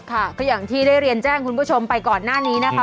ค่ะก็อย่างที่ได้เรียนแจ้งคุณผู้ชมไปก่อนหน้านี้นะคะ